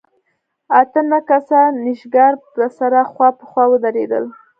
اته نه کسه نېشګر به سره خوا په خوا ودرېدل.